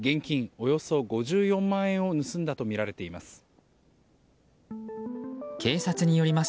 およそ５４万円を盗んだとみられています。